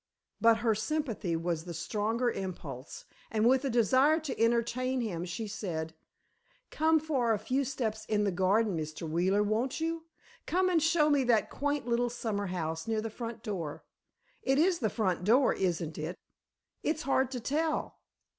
But her sympathy was the stronger impulse, and with a desire to entertain him, she said, "Come for a few steps in the garden, Mr. Wheeler, won't you? Come and show me that quaint little summer house near the front door. It is the front door, isn't it? It's hard to tell."